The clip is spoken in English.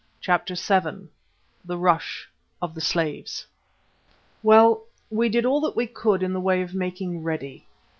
CHAPTER VII THE RUSH OF THE SLAVES Well, we did all that we could in the way of making ready.